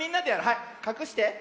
はいかくして。